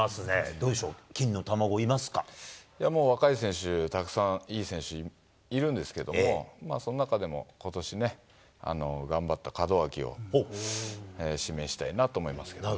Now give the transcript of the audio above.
どうでしょう、もう若い選手、たくさんいい選手いるんですけれども、その中でもことしね、頑張った門脇を指名したいなと思いますけどね。